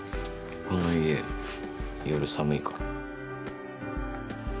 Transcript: この家夜寒いからえっと